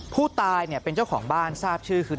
ผู้ตายเป็นเจ้าของบ้านทราบชื่อคือ